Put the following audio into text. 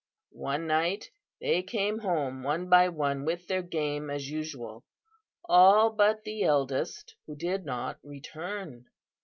"One night they came home one by one with their game, as usual, all but the eldest, who did not return.